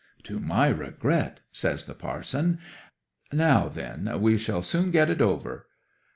'"To my regret!" says the parson. "Now, then, we will soon get it over."